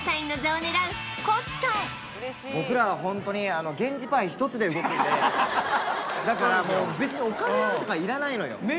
僕らはホントにそうですよだからもう別にお金なんかいらないのよ